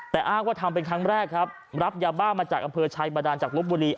แต่อ้างว่าทำเป็นครั้งแรกครับรับยาบ้ามาจากอำเภอชัยบาดานจากลบบุรี